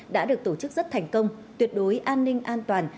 đã được tổ chức rất thành công tuyệt đối an ninh an toàn